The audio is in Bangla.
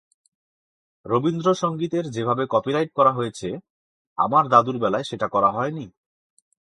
রবীন্দ্রসংগীতের যেভাবে কপিরাইট করা হয়েছে, আমার দাদুর বেলায় সেটা করা হয়নি।